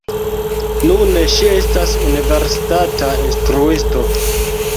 Nune ŝi estas universitata instruisto.